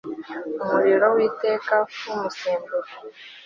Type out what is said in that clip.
umuriro w iteka w umusemburo